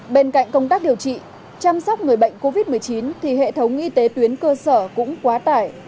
bên cạnh công tác điều trị chăm sóc người bệnh covid một mươi chín thì hệ thống y tế tuyến cơ sở cũng quá tải